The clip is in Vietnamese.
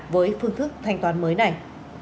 với phương thức thanh toán mới này